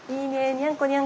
にゃんこにゃんこ。